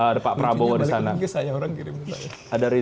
ada pak prabowo di sana